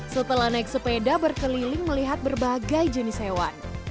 setelah naik sepeda berkeliling melihat berbagai jenis hewan